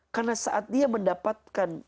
karena saat dia mendapatkan